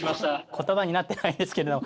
言葉になってないですけれども。